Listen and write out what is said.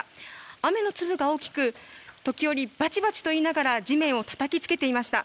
雨の粒が大きく時折バチバチといいながら地面をたたきつけていました。